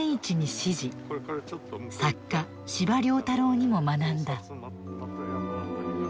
作家・司馬太郎にも学んだ。